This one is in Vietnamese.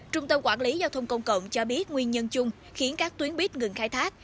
trung tâm quản lý giao thông công cộng cho biết nguyên nhân chung khiến các tuyến buýt ngừng khai thác